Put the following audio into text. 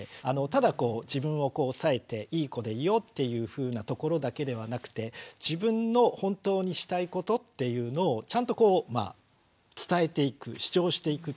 ただ自分をこう抑えていい子でいようっていうふうなところだけではなくて自分の本当にしたいことっていうのをちゃんとこう伝えていく主張していく。